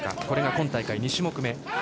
これが今大会、２種目め。